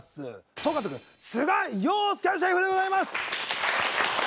総監督須賀洋介シェフでございます！